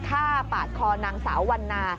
ฆ่าปาดคอนางสาววันนา